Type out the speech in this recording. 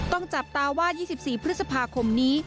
จับตาว่า๒๔พฤษภาคมนี้